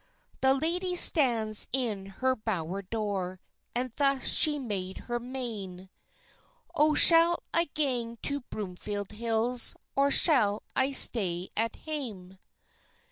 The lady stands in her bower door, And thus she made her mane: "Oh, shall I gang to Broomfield Hills, Or shall I stay at hame?